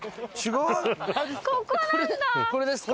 違う？